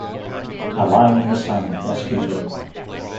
A line in the sand must be drawn.